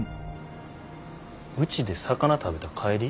うちで魚食べた帰り？